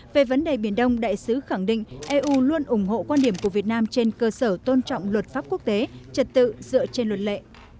về vấn đề biển đông đại sứ khẳng định eu luôn ủng hộ quan điểm của việt nam trên cơ sở tôn trọng luật pháp quốc tế trật tự dựa trên luật lệ